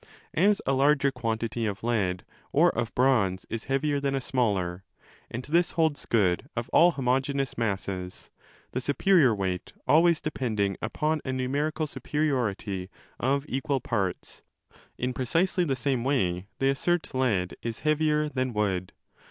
As a larger quantity of lead or of bronze is heavier than a smaller—and this holds good of all homogeneous masses, the superior weight always depending upon a 10 numerical superiority of equal parts—in precisely the same way, they assert, lead is heavier than wood.!